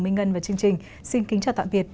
minh ngân và chương trình xin kính chào tạm biệt